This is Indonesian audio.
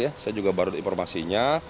saya juga baru informasinya